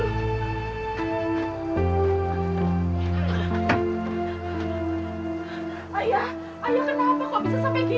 ayah kenapa kau bisa sampai gini